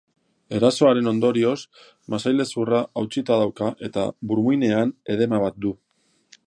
Erasoaren ondorioz, masailezurra hautsita dauka eta burmuinean edema bat du.